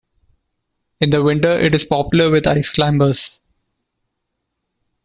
In the winter it is popular with ice-climbers.